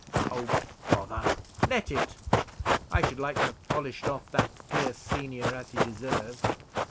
"Oh, bother! let it. I should like to have polished off that Pierce senior as he deserves.